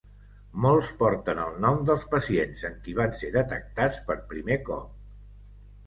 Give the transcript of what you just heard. Molts porten el nom dels pacients en qui van ser detectats per primer cop.